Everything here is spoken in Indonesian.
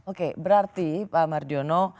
oke berarti pak mardiono